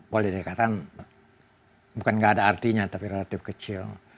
politik sekarang bukan gak ada artinya tapi relatif kecil